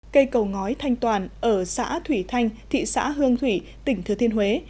cây cầu ngói thanh toàn ở xã thủy thanh thị xã hương thủy tỉnh thừa thiên huế